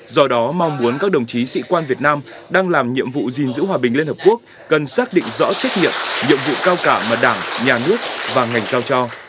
do đó mong muốn các đồng chí sĩ quan việt nam đang làm nhiệm vụ gìn giữ hòa bình liên hợp quốc cần xác định rõ trách nhiệm nhiệm vụ cao cả mà đảng nhà nước và ngành trao cho